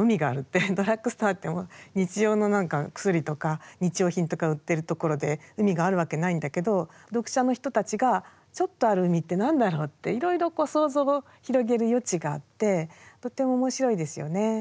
ドラッグストアって日常の何か薬とか日用品とか売ってるところで海があるわけないんだけど読者の人たちが「ちょっとある海」って何だろうっていろいろ想像を広げる余地があってとても面白いですよね。